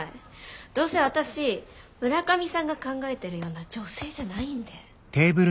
どうせ私村上さんが考えてるような女性じゃないんで。